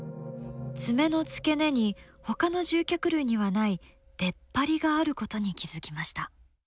爪の付け根にほかの獣脚類にはない出っ張りがあることに気付きました。